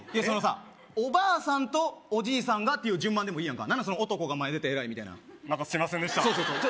そのさおばあさんとおじいさんがっていう順番でもいいやんか何で男が前出て偉いみたいな何かすいませんでしたそう